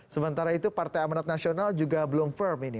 sementara itu partai amanat nasional juga belum firm ini